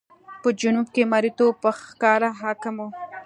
په جنوب کې مریتوب په ښکاره حاکم و.